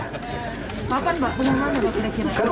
bapak ibu diumumkan ya